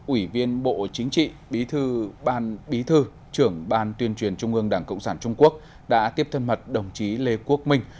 ủy viên bộ chính trị bí thư trưởng ban tuyên truyền trung ương đảng cộng sản trung quốc đã tiếp thân mật đồng chí lê quốc minh